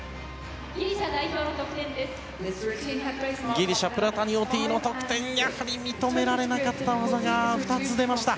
ギリシャプラタニオティの得点やはり認められなかった技が２つ出ました。